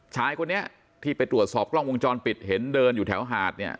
ชายคนนี้ที่ไปตรวจสอบกล้องวงจรปิดเห็นเดินอยู่แถวหาดเนี่ย